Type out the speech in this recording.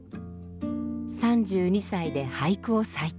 ３２歳で俳句を再開。